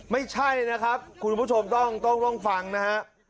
ไม่ใช่นะครับคุณผู้ชมต้องฟังนะฮะ